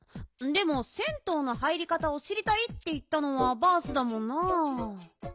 でも銭湯の入りかたをしりたいっていったのはバースだもんな。